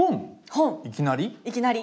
いきなり？